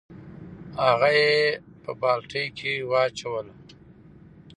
هغه یې په بالټي کې واچوله.